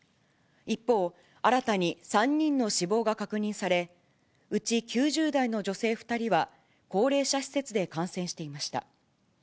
一方、新たに３人の死亡が確認され、うち９０代の女性２人は、高齢者施設で感染していました。